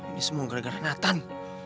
ini semua gara gara natal